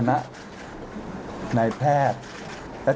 พร้อมแล้วเลยค่ะ